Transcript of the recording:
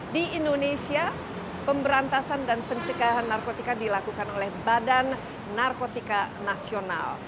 di indonesia pemberantasan dan pencegahan narkotika dilakukan oleh badan narkotika nasional